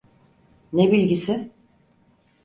Ne bilgisi?